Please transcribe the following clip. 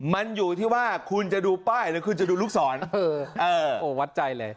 มันอยู่ที่ว่าคุณจะดูป้ายหรือคุณจะดูลูกศรวัดใจเลย